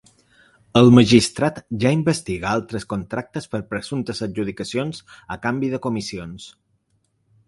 El magistrat ja investiga altres contractes per presumptes adjudicacions a canvi de comissions.